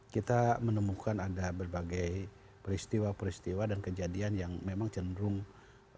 kita menemukan ada berbagai peristiwa peristiwa dan kejadian yang memang cenderung